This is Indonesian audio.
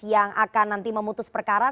yang akan nanti memutus perkara